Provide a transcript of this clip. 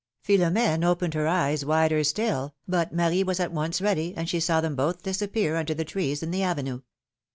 Philomene opened her eyes wider still, but Marie was at once ready, and she saw them both disappear under the trees in the avenue.